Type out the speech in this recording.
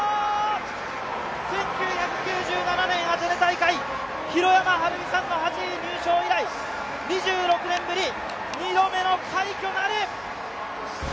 １９９７年、アテネ大会、弘山晴美さんの８位入賞以来、２６年ぶり２度目の快挙なる！